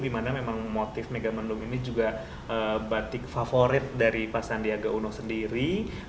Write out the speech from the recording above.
dimana memang motif megamendung ini juga batik favorit dari pak sandiaga uno sendiri